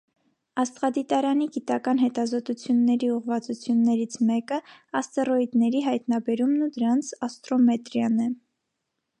Աստղադիտարանի գիտական հետազոտությունների ուղղվածություններից մեկը աստերոիդների հայտնաբերումն ու դրանց աստրոմետրիան է։